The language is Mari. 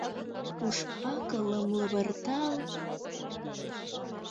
Уш-акылым лывыртал...